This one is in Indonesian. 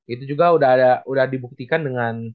itu juga sudah dibuktikan dengan